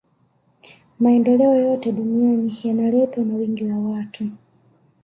maendeleo yoyote duniani yanaletwa na wingi wa watu